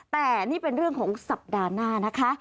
แต่นี่เป็นเรื่องของสัปดาห์หน้านะคะ